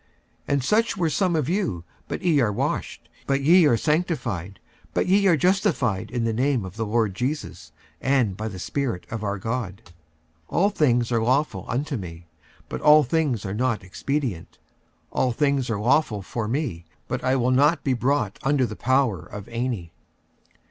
46:006:011 And such were some of you: but ye are washed, but ye are sanctified, but ye are justified in the name of the Lord Jesus, and by the Spirit of our God. 46:006:012 All things are lawful unto me, but all things are not expedient: all things are lawful for me, but I will not be brought under the power of any.